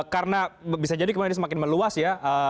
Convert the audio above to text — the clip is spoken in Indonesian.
karena bisa jadi kemungkinan semakin meluas ya